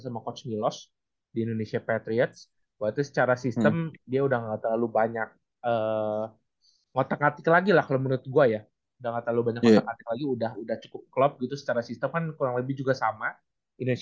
sama julian ini menurut gue